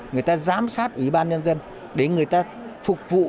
người ta giám sát ủy ban nhân dân để người ta phục vụ